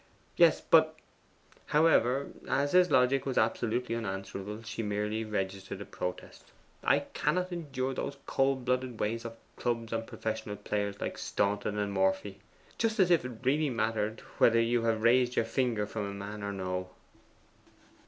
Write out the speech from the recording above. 'Yes, but ' However, as his logic was absolutely unanswerable, she merely registered a protest. 'I cannot endure those cold blooded ways of clubs and professional players, like Staunton and Morphy. Just as if it really mattered whether you have raised your fingers from a man or no!